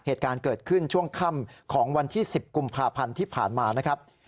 เหตุการณ์เกิดขึ้นช่วงค่ำของวันที่๑๐กุมภาพันธ์ที่ผ่านมานะครับ